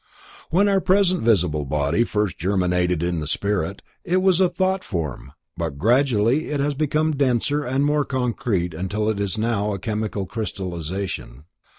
When our present visible body first germinated in the spirit, it was a thought form, but gradually it has become denser and more concrete until it is now a chemical crystallization.